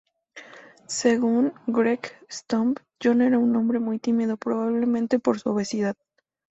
Según Greg Stump, John era un hombre muy tímido, probablemente por su obesidad.